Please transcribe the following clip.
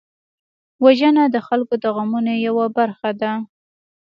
وژنه د خلکو د غمونو یوه برخه ده